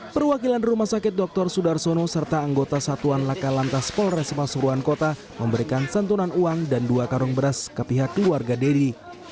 perwakilan rumah sakit dr sudarsono serta anggota satuan laka lantas polres pasuruan kota memberikan santunan uang dan dua karung beras ke pihak keluarga deddy